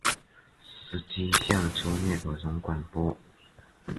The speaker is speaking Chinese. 司机向车内的人广播